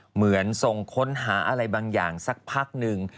เหมือนทรงค้นหาอะไรบางอย่างสักพักหนึ่ง